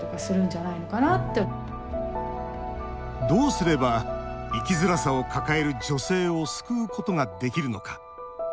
どうすれば生きづらさを抱える女性を救うことができるのか。